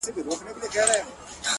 پوهه له تجربې ژورېږي